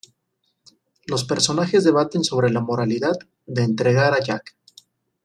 Los personajes debaten sobre la moralidad de entregar a Jack.